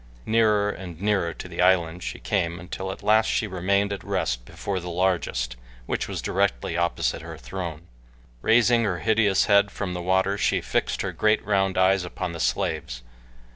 Nearer and nearer to the island she came until at last she remained at rest before the largest, which was directly opposite her throne. Raising her hideous head from the water she fixed her great, round eyes upon the slaves.